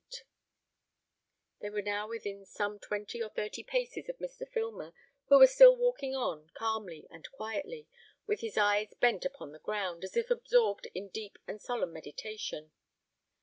They were now within some twenty or thirty paces of Mr. Filmer, who was still walking on, calmly and quietly, with his eyes bent upon the ground, as if absorbed in deep and solemn meditation.